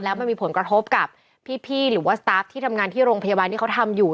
แล้วมันมีผลกระทบกับพี่หรือว่าสตาร์ฟที่ทำงานที่โรงพยาบาลที่เขาทำอยู่